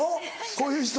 こういう人。